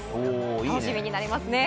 楽しみになりますね。